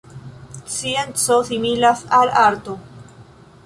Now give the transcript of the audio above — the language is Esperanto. Scienco similas al arto.